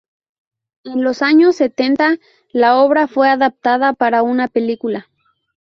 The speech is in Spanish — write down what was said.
En los años setenta, la obra fue adaptada para una película.